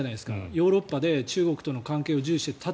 ヨーロッパで中国との関係を重視していたのは。